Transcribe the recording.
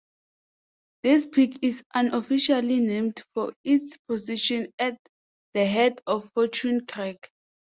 This peak is unofficially named for its position at the head of Fortune Creek.